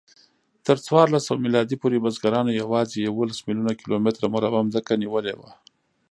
تر څوارلسسوه میلادي پورې بزګرانو یواځې یوولس میلیونه کیلومتره مربع ځمکه نیولې وه.